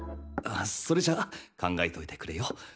それじゃ考えといてくれよ。